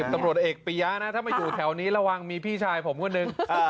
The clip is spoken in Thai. ตำรวจเอกปียะนะถ้ามาอยู่แถวนี้ระวังมีพี่ชายผมคนหนึ่ง